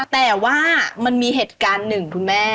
แต่ว่ามันมีเหตุการณ์หนึ่ง